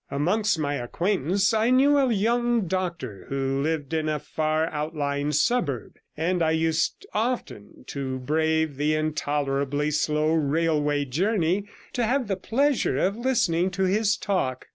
Amongst my acquaintance I knew a young doctor, who lived in a far outlying suburb, and I used often to brave the intolerably slow railway journey to have the pleasure of listening to his talk.